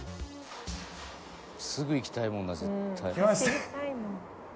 「すぐ行きたいもんな絶対」